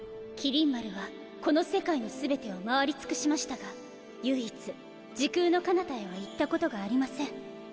麒麟丸はこの世界の全てを回りつくしましたが唯一時空の彼方へは行ったことがありません。